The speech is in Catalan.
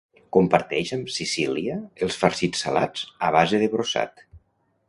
Comparteix amb Sicília els farcits salats a base de brossat.